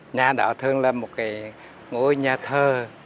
nhà đó thường là một cái ngôi nhà thơ